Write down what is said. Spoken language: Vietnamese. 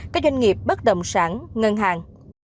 các doanh nghiệp bất động sản ngân hàng